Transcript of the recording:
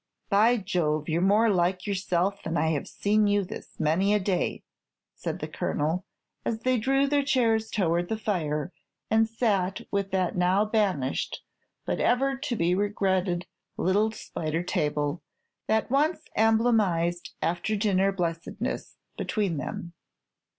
"By Jove! you 're more like yourself than I have seen you this many a day," said the Colonel, as they drew their chairs towards the fire, and sat with that now banished, but ever to be regretted, little spider table, that once emblematized after dinner blessedness, between them.